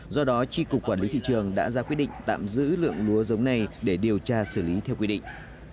do đó tri cục quản lý thị trường đã ra quyết định tạm giữ lượng lúa giống này để điều tra xử lý theo quy định